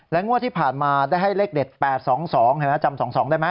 งวดที่ผ่านมาได้ให้เลขเด็ด๘๒๒เห็นไหมจำ๒๒ได้ไหม